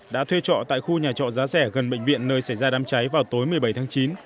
đã thuê trọ tại khu nhà trọ giá rẻ gần bệnh viện nơi xảy ra đám cháy vào tối một mươi bảy tháng chín